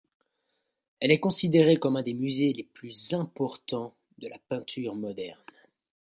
Elle est considérée comme un des musées les plus importants de la peinture moderne.